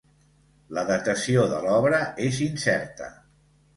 La datació de l'obra és incerta.